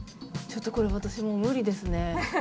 ちょっとこれ私もう無理ですね。